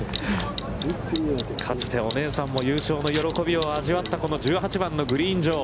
かつてお姉さんも優勝の喜びを味わった、１８番のグリーン上。